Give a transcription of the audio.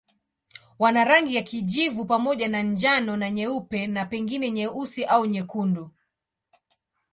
Wana rangi ya kijivu pamoja na njano na nyeupe na pengine nyeusi au nyekundu.